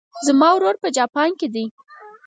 زما ورور په جاپان کې ده